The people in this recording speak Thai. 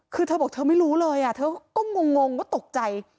คือเธอบอกเธอไม่รู้เลยเธอก็งงก็ตกใจ